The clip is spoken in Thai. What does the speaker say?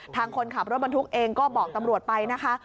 คนขับรถบรรทุกเองก็บอกตำรวจไปนะคะ